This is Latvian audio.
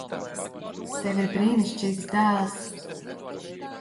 Tev ir brīnišķīgs dēls.